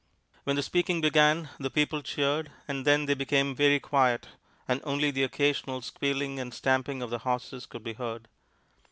When the speaking began, the people cheered, and then they became very quiet, and only the occasional squealing and stamping of the horses could be heard.